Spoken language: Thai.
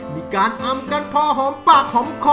มีการอำกันพอหอมปากหอมคอ